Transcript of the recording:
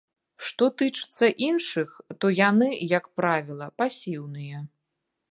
Што тычыцца іншых, то яны, як правіла, пасіўныя.